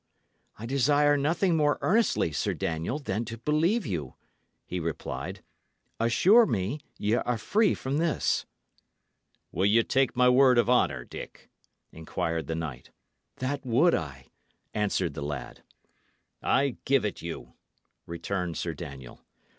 "I desire nothing more earnestly, Sir Daniel, than to believe you," he replied. "Assure me ye are free from this." "Will ye take my word of honour, Dick?" inquired the knight. "That would I," answered the lad. "I give it you," returned Sir Daniel.